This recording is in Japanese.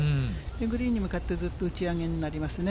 グリーンに向かってずっと打ち上げになりますね。